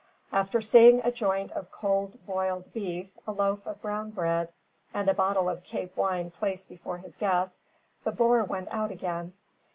After seeing a joint of cold boiled beef, a loaf of brown bread, and a bottle of Cape wine placed before his guests, the boer went out again.